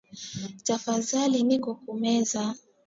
Tafazali niko ku meza